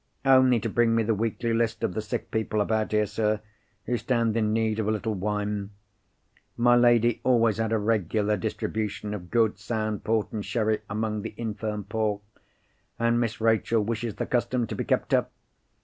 "Only to bring me the weekly list of the sick people about here, sir, who stand in need of a little wine. My lady always had a regular distribution of good sound port and sherry among the infirm poor; and Miss Rachel wishes the custom to be kept up.